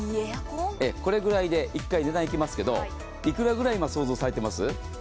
これぐらいで一回値段いきますと、今、いくらぐらい想像しています？